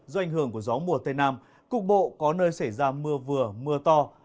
do ảnh hưởng của gió mùa tây nam cục bộ có nơi xảy ra mưa vừa mưa to